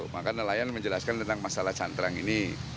maka nelayan menjelaskan tentang masalah cantrang ini